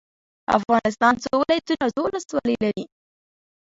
افغانستان څو ولايتونه او څو ولسوالي لري؟